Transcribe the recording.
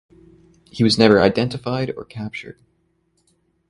He was never identified or captured.